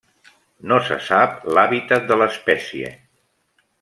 No se sap l'hàbitat de l'espècie.